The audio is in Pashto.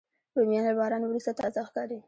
رومیان له باران وروسته تازه ښکاري